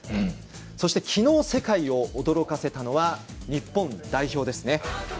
そして、昨日世界を驚かせたのは日本代表ですね。